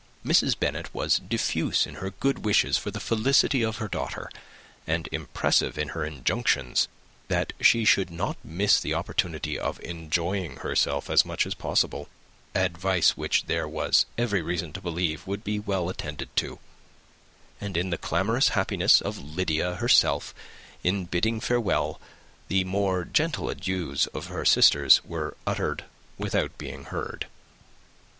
Mrs. Bennet was diffuse in her good wishes for the felicity of her daughter, and impressive in her injunctions that she would not miss the opportunity of enjoying herself as much as possible, advice which there was every reason to believe would be attended to; and, in the clamorous happiness of Lydia herself in bidding farewell, the more gentle adieus of her sisters were uttered without being heard.